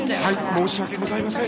申し訳ございません。